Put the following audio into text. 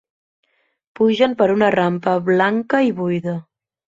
Pugen per una rampa blanca i buida.